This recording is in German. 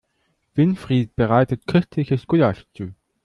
Winfried bereitet köstliches Gulasch zu.